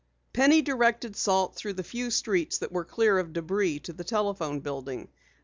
Penny directed Salt through the few streets that were clear of debris to the telephone building.